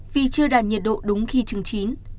vì chưa đạt nhiệt độ đúng khi trứng chín